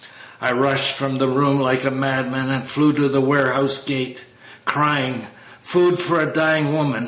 "I rushed from the room like a madman, And flew to the workhouse gate, Crying, 'Food for a dying woman!'